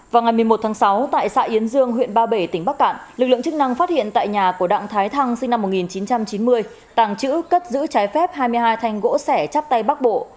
vào ngày một mươi một tháng sáu tại xã yến dương huyện ba bể tỉnh bắc cạn lực lượng chức năng phát hiện tại nhà của đặng thái thăng sinh năm một nghìn chín trăm chín mươi tàng trữ cất giữ trái phép hai mươi hai thanh gỗ sẻ chắp tay bắc bộ